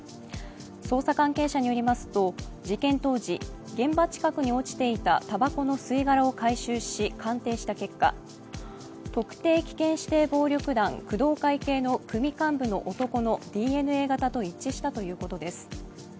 捜査関係者によりますと、事件当時、現場近くに落ちていたたばこの吸い殻を回収し鑑定した結果、特定危険指定暴力団・工藤会系の組幹部の男のＤＮＡ型と一致したということです。